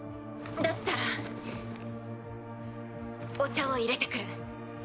だったらお茶をいれてくる。